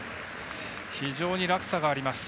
非常に落差があります。